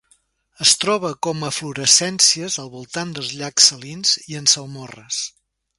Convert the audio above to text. Es troba com eflorescències al voltant dels llacs salins i en salmorres.